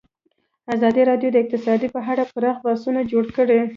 ازادي راډیو د اقتصاد په اړه پراخ بحثونه جوړ کړي.